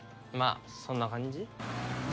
あそんな感じ？